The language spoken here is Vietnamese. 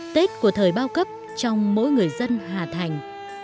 tết của thời bao cấp trong mỗi người dân hà thành